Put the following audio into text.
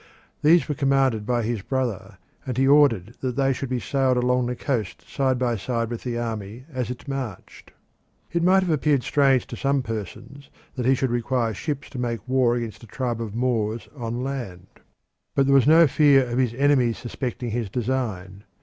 These were commanded by his brother, and he ordered that they should be sailed along the coast side by side with the army as it marched. It might have appeared strange to some persons that he should require ships to make war against a tribe of Moors on land. But there was no fear of his enemies suspecting his design.